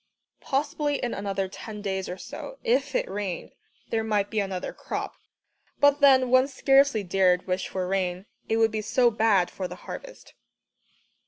Possibly in another ten days or so, if it rained, there might be another crop, but then one scarcely dared wish for rain, it would be so bad for the harvest.